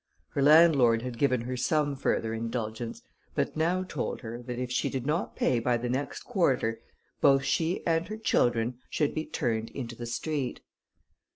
Her landlord had given her some further indulgence, but now told her, that if she did not pay by the next quarter, both she and her children should be turned into the street.